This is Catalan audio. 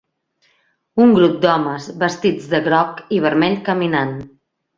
un grup d'homes vestits de groc i vermell caminant.